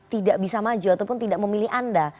tidak bisa maju ataupun tidak memilih anda